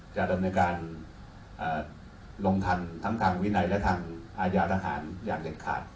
จะดำเนินการลงทันทั้งทางวินัยและทางอาญาทหารอย่างเด็ดขาด